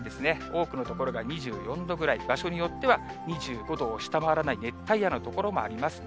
多くの所が２４度ぐらい、場所によっては２５度を下回らない、熱帯夜の所もあります。